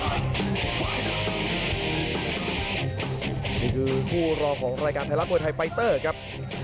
นี่คือคู่รองของรายการไทยรัฐมวยไทยไฟเตอร์ครับ